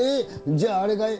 じゃああれかい？